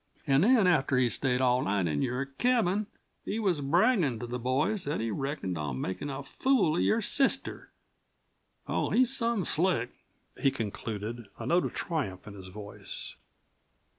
An' then after he'd stayed all night in your cabin he was braggin' to the boys that he reckoned on makin' a fool of your sister. Oh, he's some slick!" he concluded, a note of triumph in his voice.